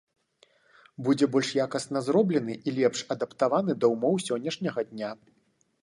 Будзе больш якасна зроблены і лепш адаптаваны да ўмоў сённяшняга дня.